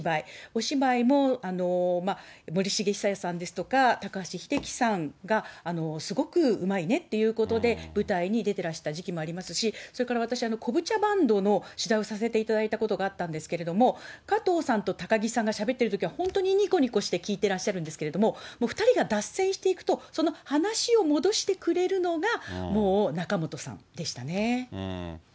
お芝居も森繁久彌さんですとか、高橋英樹さんがすごくうまいねっていうことで、舞台に出てらした時期もありますし、それから私、こぶ茶バンドの取材をさせていただいたことがあったんですけれども、加藤さんと高木さんがしゃべっているときは、本当ににこにこして聞いてらっしゃるんですけれども、２人が脱線していくと、その話を戻してくれるのが、もう仲本さんでしたね。